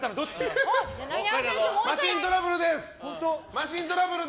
マシントラブル。